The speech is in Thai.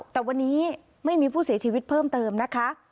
แต่วันนี้ไม่มีผู้เสียชีวิตเพิ่มเติมนะคะ